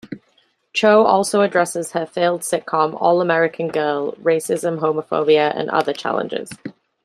Cho also addresses her failed sitcom "All American Girl", racism, homophobia and other challenges.